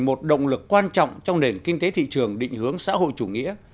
một động lực quan trọng trong nền kinh tế thị trường định hướng xã hội chủ nghĩa